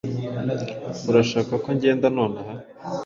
Urashaka ko ngenda nonaha?